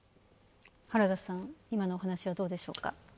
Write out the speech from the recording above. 原田さん、今のお話はどうでしょうか。